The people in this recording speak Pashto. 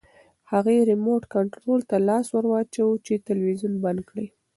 هغې ریموټ کنټرول ته لاس ورواچاوه چې تلویزیون بند کړي.